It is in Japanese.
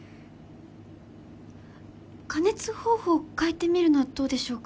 加熱方法を変えてみるのはどうでしょうか？